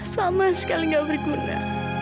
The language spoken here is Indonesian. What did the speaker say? sama sekali gak berguna